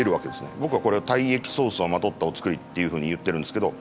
僕はこれを体液ソースをまとったお造りっていうふうに言ってるんですけど。